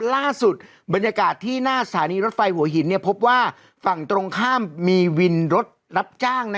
ล่าสุดบรรยากาศที่หน้าสถานีรถไฟหัวหินพบว่าฝั่งตรงข้ามมีวินรถรับจ้าง